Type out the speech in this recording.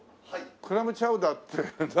クラムチャウダーって何？